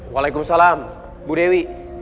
waalaikumsalam bu dewi